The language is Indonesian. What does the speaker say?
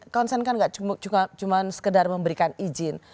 konsen kan nggak cuma sekedar memberikan izin